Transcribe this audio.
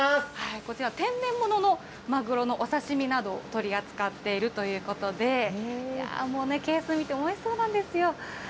こちら、天然物のマグロのお刺身などを取り扱っているということで、もうね、ケース見てもおいしそうなんですよ。